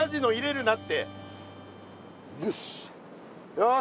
よし。